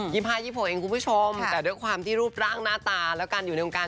ยี่ห์เองคุณผู้ชมแต่ด้วยความที่รูปร่างหน้าตาแล้วการอยู่ในวงการ